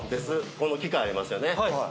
この機械ありますよね。